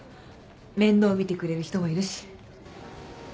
面倒見てくれる人もいるし。